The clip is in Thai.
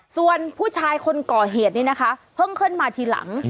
ส่วนผู้ชายคนก่อเหตุนี้นะคะเพิ่งขึ้นมาทีหลัง